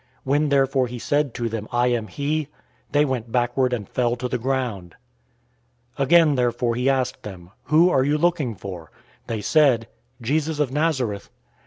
018:006 When therefore he said to them, "I am he," they went backward, and fell to the ground. 018:007 Again therefore he asked them, "Who are you looking for?" They said, "Jesus of Nazareth."